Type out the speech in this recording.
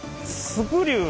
スクリュー？